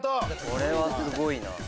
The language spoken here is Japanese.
これはすごいな。